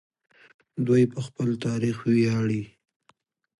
دوی په خپل تاریخ ویاړي.